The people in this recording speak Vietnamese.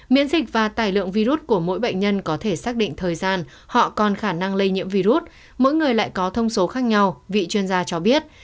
miễn dịch và tài lượng virus của mỗi bệnh nhân có thể xác định thời gian họ còn khả năng lây nhiễm virus mỗi người lại có thông số khác nhau vị chuyên gia cho biết